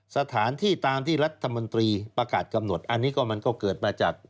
สถานที่ตามที่รัฐมนตรีประกาศกำหนดอันนี้ก็มันก็เกิดมาจาก